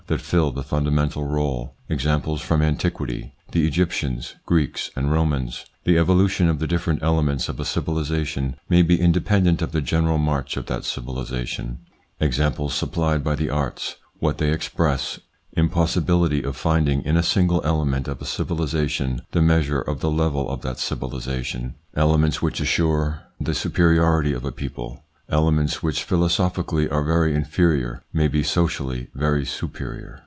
that fill the fundamental role Examples from antiquity : the Egyptians, Greeks, and Romans The evolution of the different elements of a civilisation may be independent of the general march of that civilisation Examples supplied by the arts What they express Impossibility of finding in a single element of a civilisation the measure of the level of that civilisation Elements which assure the superiority of a people Elements which philosophically are very inferior may be socially very superior.